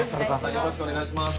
◆よろしくお願いします。